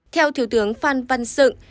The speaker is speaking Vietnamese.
theo thiếu tướng phan văn sựng